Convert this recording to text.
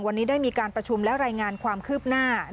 วันนี้ได้มีการประชุมและรายงานความคืบหน้า